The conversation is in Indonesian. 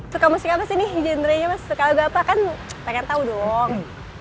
suka musik apa sih nih genrenya mas kalau ada apa kan pengen tahu dong